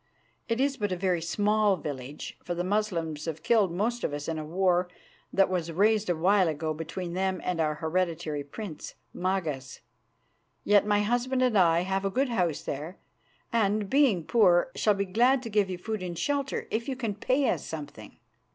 It is but a very small village, for the Moslems have killed most of us in a war that was raised a while ago between them and our hereditary prince, Magas. Yet my husband and I have a good house there, and, being poor, shall be glad to give you food and shelter if you can pay us something."